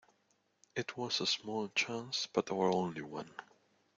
It was a small chance but our only one.